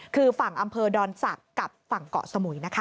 คือฝั่งอำเภอดอนศักดิ์กับฝั่งเกาะสมุยนะคะ